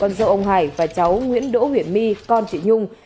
con dâu ông hải và cháu nguyễn đỗ huyển my con chị nhung